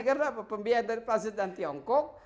karena pembiaya dari perancis dan tiongkok